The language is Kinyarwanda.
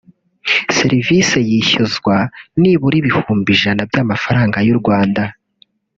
serivisi yishyuzwa nibura ibihumbi ijana by’amafaranga y’u Rwanda